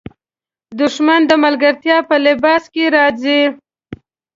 دښمن د ملګرتیا په لباس کې راځي